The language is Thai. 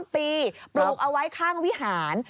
ปีปลูกเอาไว้ข้างวิหาร